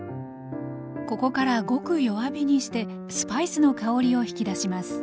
ここからごく弱火にしてスパイスの香りを引き出します。